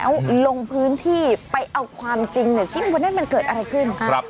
เอาลงพื้นที่ไปเอาความจริงหน่อยซิวันนั้นมันเกิดอะไรขึ้นครับ